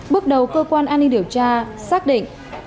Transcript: bước đầu cơ quan an ninh điều tra xác định